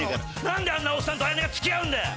何であんなおっさんと綾音が付き合うんだよ！